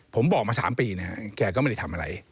ผมบอกมา๓ปีนะฮะแกก็ไม่ได้ทำอะไร